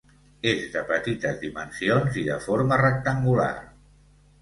És de petites dimensions i de forma rectangular.